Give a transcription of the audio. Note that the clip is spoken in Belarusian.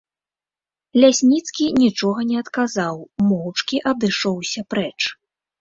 Лясніцкі нічога не адказаў, моўчкі адышоўся прэч.